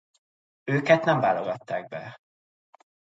Őkett nem válogatták be.